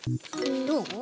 どう？